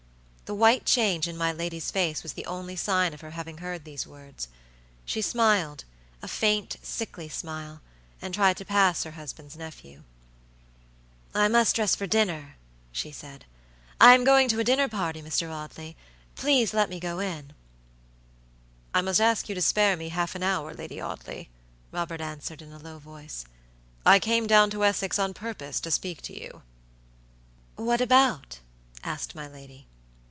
The white change in my lady's face was the only sign of her having heard these words. She smiled, a faint, sickly smile, and tried to pass her husband's nephew. "I must dress for dinner," she said. "I am going to a dinner party, Mr. Audley; please let me go in." "I must ask you to spare me half an hour, Lady Audley," Robert answered, in a low voice. "I came down to Essex on purpose to speak to you." "What about?" asked my lady.